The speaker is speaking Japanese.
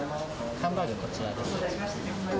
ハンバーグはこちらですね。